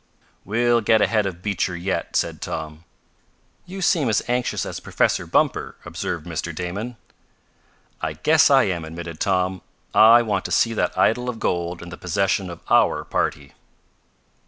"We'll get ahead of Beecher yet," said Tom. "You seem as anxious as Professor Bumper," observed Mr. Damon. "I guess I am," admitted Tom. "I want to see that idol of gold in the possession of our party."